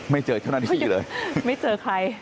ไม่เจอเจ้าหน้าที่เลยไม่เจอใคร